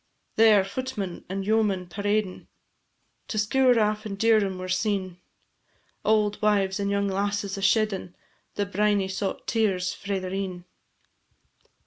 There footmen and yeomen paradin', To scour aff in dirdum were seen, Auld wives and young lasses a sheddin' The briny saut tears frae their een.